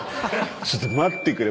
ちょっと待ってくれ。